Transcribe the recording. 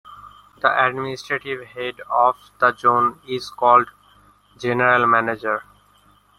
The administrative head of the zone is called General Manager.